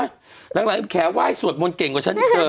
หลังแขไห้สวดมนต์เก่งกว่าฉันอีกเธอ